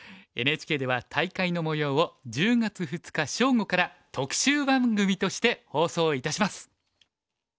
ＮＨＫでは大会のもようを１０月２日正午から特集番組として放送いたします。